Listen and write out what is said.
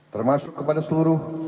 termasuk kepada seluruh